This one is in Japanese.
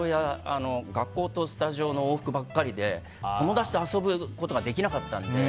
学校とスタジオの往復ばかりで友達と遊ぶことができなかったので。